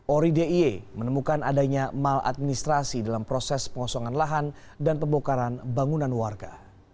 orideie menemukan adanya maladministrasi dalam proses pengosongan lahan dan pembokaran bangunan warga